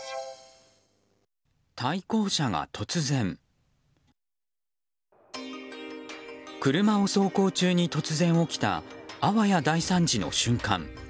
車を走行中に突然起きたあわや大惨事の瞬間。